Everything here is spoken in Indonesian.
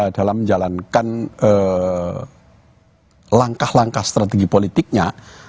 dalam menjalankan langkah langkah strategi politiknya